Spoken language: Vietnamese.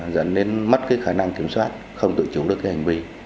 dẫn đến mất khả năng kiểm soát không tự chủ được hành vi